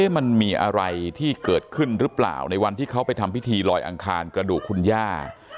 มันมีอะไรที่เกิดขึ้นหรือเปล่าในวันที่เขาไปทำพิธีลอยอังคารกระดูกคุณย่า